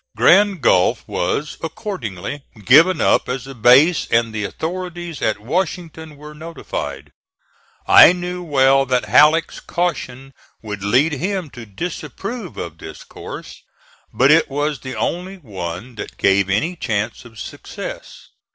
Grand Gulf was accordingly given up as a base and the authorities at Washington were notified. I knew well that Halleck's caution would lead him to disapprove of this course; but it was the only one that gave any chance of success.